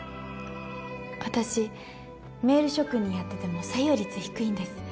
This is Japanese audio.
私メール職人やってても採用率低いんです。